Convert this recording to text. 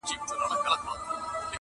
وږمه ځي تر ارغوانه پښه نيولې.